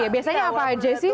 biasanya apa aja sih